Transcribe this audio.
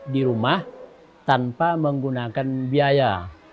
di rumah tanpa menggunakan biaya